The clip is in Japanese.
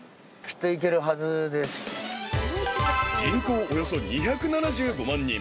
［人口およそ２７５万人。